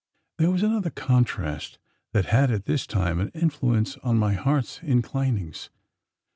There was another contrast that had at this time an influence on my heart's inclinings.